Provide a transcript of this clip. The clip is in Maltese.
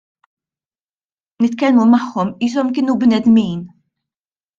Nitkellmu magħhom qishom kienu bnedmin.